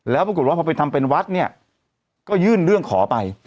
แล้วปรากฏว่าพอไปทำเป็นวัดเนี่ยก็ยื่นเรื่องขอไป